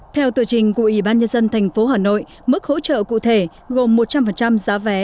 theo tựa trình của ủy ban nhân dân tp hà nội mức hỗ trợ cụ thể gồm một trăm linh giá vé